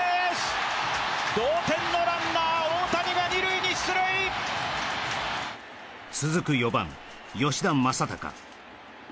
同点のランナー大谷が２塁に出塁続く４番吉田正尚